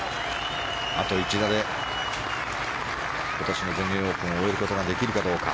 あと１打で今年の全英オープンを終えることができるかどうか。